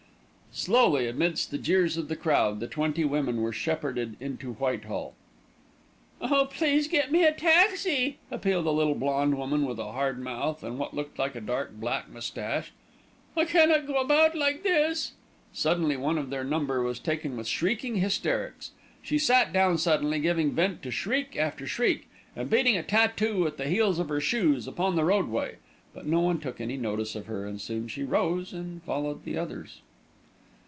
Slowly amidst the jeers of the crowd the twenty women were shepherded into Whitehall. "Oh, please get me a taxi," appealed a little blonde woman with a hard mouth and what looked like a dark black moustache. "I cannot go about like this." Suddenly one of their number was taken with shrieking hysterics. She sat down suddenly, giving vent to shriek after shriek, and beating a tattoo with the heels of her shoes upon the roadway; but no one took any notice of her and soon she rose and followed the others.